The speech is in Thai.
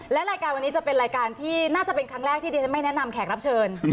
และรายการวันนี้จะเป็นรายการที่น่าจะเป็นครั้งแรกที่ดิฉันไม่แนะนำแขกรับเชิญ